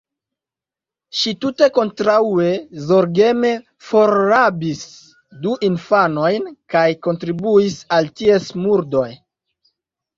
Ŝi tute kontraŭe, zorgeme forrabis du infanojn kaj kontribuis al ties murdoj.